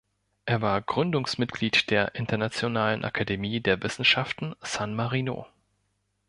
Er war Gründungsmitglied der „Internationalen Akademie der Wissenschaften San Marino“.